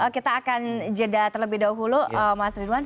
kita akan jeda terlebih dahulu mas ridwan